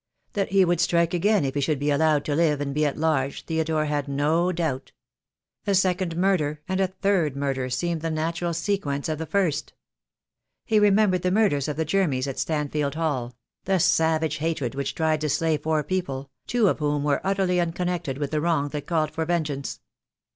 That he would strike again if he should be allowed to live and be at large Theodore had no doubt. A second murder, and a third murder, seemed the natural sequence of the first. He remembered the murders of the Jermys at Stanfield Hall— the savage The Day 7vill come, II, t > 178 THE DAY WILL COME. hatred which tried to slay four people, two of whom were utterly unconnected with the wrong that called for vengeance.